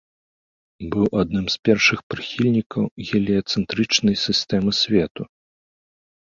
Быў адным з першых прыхільнікаў геліяцэнтрычнай сістэмы свету.